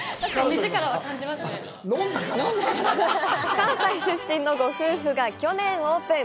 関西出身のご夫婦が去年オープン。